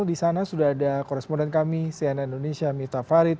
disana sudah ada koresponden kami cnn indonesia miftah farid